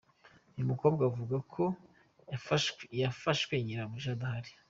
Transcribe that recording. Uyu mukobwa avuga ko yafashwe nyirabuja adahari.